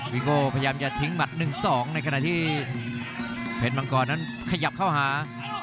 วิโก้พยายามจะทิ้งหมัด๑๒ในขณะที่เพชรมังกรนั้นขยับเข้าหา